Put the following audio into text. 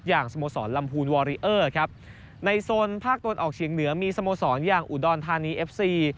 อย่างสโมสรลำพูลวอรีเออร์ในโซนภาคตลออกเฉียงเหนือมีสโมสรอย่างอุดอนธานีเอฟซี